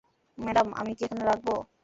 Madam, আমি কি এখানে রাখবো?